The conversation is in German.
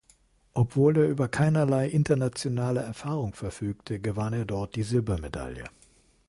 Obwohl er über keinerlei internationale Erfahrung verfügte, gewann er dort die Silbermedaille.